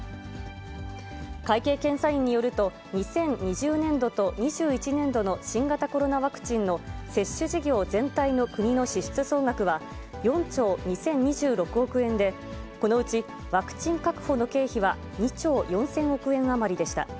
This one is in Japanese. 会計検査院によると、２０２０年度と２１年度の新型コロナワクチンの接種事業全体の国の支出総額は４兆２０２６億円で、このうちワクチン確保の経費は２兆４０００億円余りでした。